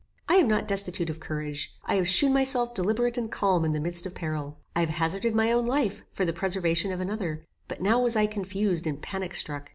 I am not destitute of courage. I have shewn myself deliberative and calm in the midst of peril. I have hazarded my own life, for the preservation of another, but now was I confused and panic struck.